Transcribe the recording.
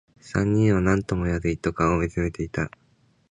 三人とも何も言わず、一斗缶を見つめていた